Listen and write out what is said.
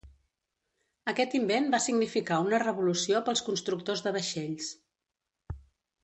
Aquest invent va significar una revolució pels constructors de vaixells.